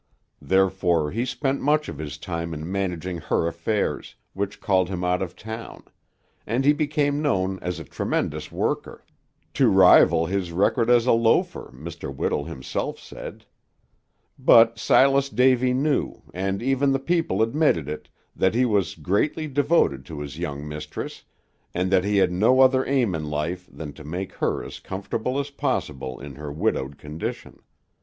Therefore he spent much of his time in managing her affairs, which called him out of town; and he became known as a tremendous worker, to rival his record as a loafer, Mr. Whittle himself said; but Silas Davy knew, and even the people admitted it, that he was greatly devoted to his young mistress, and that he had no other aim in life than to make her as comfortable as possible in her widowed condition.